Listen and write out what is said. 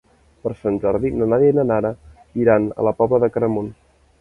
Per Sant Jordi na Nàdia i na Nara iran a la Pobla de Claramunt.